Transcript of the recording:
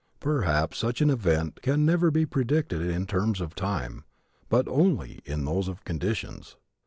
Perhaps such an event can never be predicted in terms of time, but only in those of conditions.